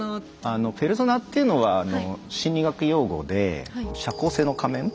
あの「ペルソナ」っていうのはあの心理学用語で「社交性の仮面」